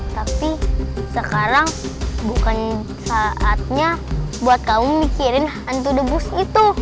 tapi sekarang bukan saatnya buat kamu mikirin hantu debus itu